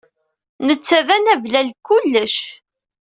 Netta d anablal deg kullec.